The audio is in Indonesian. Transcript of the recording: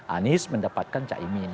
anies mendapatkan cak imin